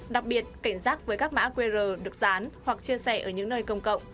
đặc biệt cảnh giác với các mã qr được dán hoặc chia sẻ ở những nơi công cộng